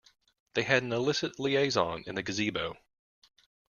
They had an illicit liaison in the gazebo.